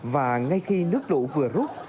và ngay khi nước lũ vừa rút